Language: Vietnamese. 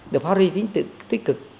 được phát huy tính tích cực